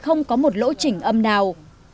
không có một lỗ chỉnh âm nào